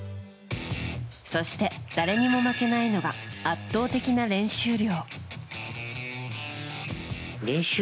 そして、誰にも負けないのが圧倒的な練習量。